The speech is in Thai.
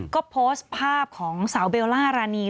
ก็โพสต์ภาพของสาวเบลล่ารานี